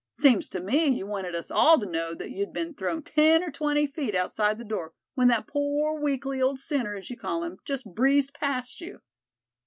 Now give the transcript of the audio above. Seems to me you wanted us all to know that you'd been thrown ten or twenty feet outside the door, when that poor weakly old sinner as you call him, just breezed past you.